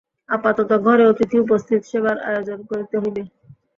আপাতত ঘরে অতিথি উপস্থিত, সেবার আয়োজন করিতে হইবে।